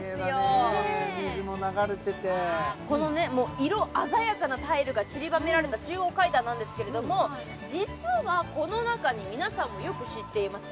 きれいだね水も流れててこのね色鮮やかなタイルがちりばめられた中央階段なんですけれども実はこの中に皆さんもよく知っていますえっ